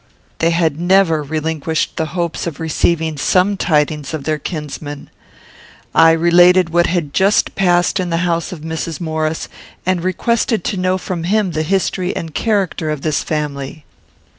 They had never relinquished the hopes of receiving some tidings of their kinsman. I related what had just passed in the house of Mrs. Maurice, and requested to know from him the history and character of this family.